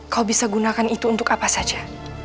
kau bisa gunakan itu untuk apa saja